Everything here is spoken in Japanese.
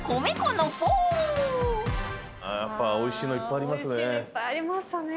やっぱおいしいのいっぱいありますね。